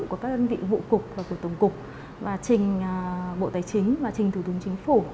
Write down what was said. của các đơn vị vụ cục và của tổng cục và trình bộ tài chính và trình thủ tướng chính phủ